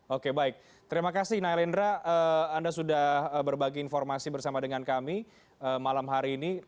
oke baik terima kasih nailendra anda sudah berbagi informasi bersama dengan kami malam hari ini